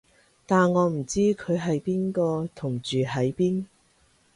但我唔知佢係邊個同住喺邊